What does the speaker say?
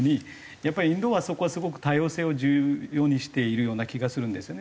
やっぱりインドはそこはすごく多様性を重要にしているような気がするんですよね。